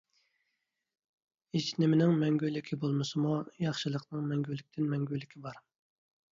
ھېچنىمىنىڭ مەڭگۈلۈكى بولمىسىمۇ ياخشىلىقنىڭ مەڭگۈلىكىدىن مەڭگۈلۈكى بار.